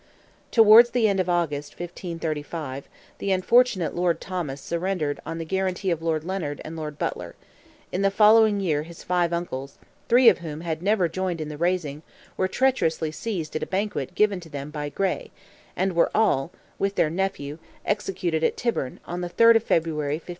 Towards the end of August, 1535, the unfortunate Lord Thomas surrendered on the guarantee of Lord Leonard and Lord Butler; in the following year his five uncles—three of whom had never joined in the rising—were treacherously seized at a banquet given to them by Gray, and were all, with their nephew, executed at Tyburn, on the 3rd of February, 1537.